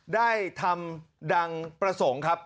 ได้ทำดังประสงค์ครับ